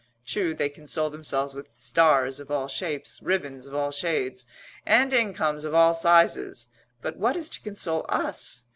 True, they console themselves with stars of all shapes, ribbons of all shades, and incomes of all sizes but what is to console us?